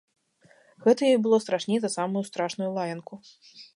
Гэта ёй было страшней за самую страшную лаянку.